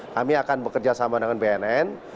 kami akan bekerja sama dengan bnn